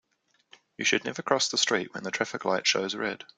You should never cross the street when the traffic light shows red.